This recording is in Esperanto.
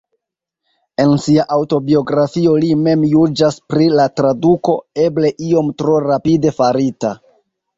En sia aŭtobiografio li mem juĝas pri la traduko "eble iom tro rapide farita".